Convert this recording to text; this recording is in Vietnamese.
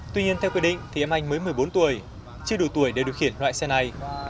tuy nhiên theo quy định thì em anh mới một mươi bốn tuổi chưa đủ tuổi để điều khiển loại xe này